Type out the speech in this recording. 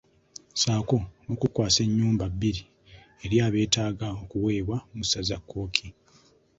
Ssaako n’okukwasa ennyumba bbiri eri abeetaaga okuweebwa mu ssaza Kkooki.